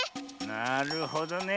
なるほどね。